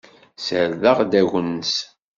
Ssardeɣ-d agnes.